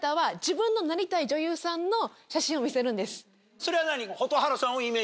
それは何？